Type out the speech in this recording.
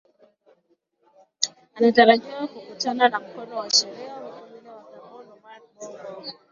anatarajiwa kukutana na mkono wa sheria huku yule wa gabon omar bongo